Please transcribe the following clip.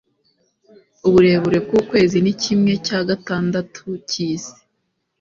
uburemere bwukwezi ni kimwe cya gatandatu cyisi